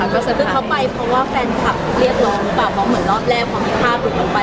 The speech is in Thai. เค้าไปเพราะแฟนคลับเรียกร้องลงหรือเปล่า